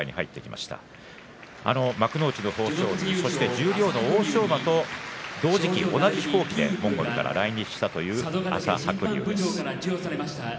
十両の欧勝馬と同時期に同じ飛行機でモンゴルから来日したという朝白龍です。